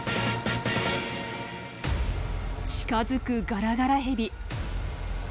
近づくガラガラヘビ。